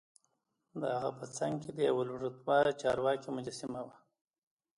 دهغه په څنګ کې د یوه لوړ رتبه چارواکي مجسمه وه.